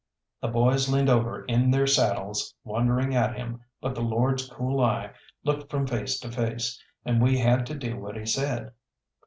The boys leaned over in their saddles, wondering at him, but the lord's cool eye looked from face to face, and we had to do what he said.